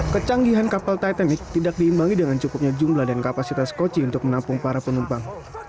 kecanggihan kapal titanic tidak diimbangi dengan cukupnya jumlah dan kapasitas koci untuk menampung para penumpang